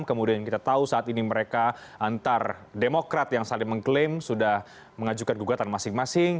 kemudian kita tahu saat ini mereka antar demokrat yang saling mengklaim sudah mengajukan gugatan masing masing